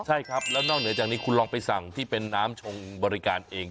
ใช่ครับแล้วนอกเหนือจากนี้คุณลองไปสั่งที่เป็นน้ำชงบริการเอง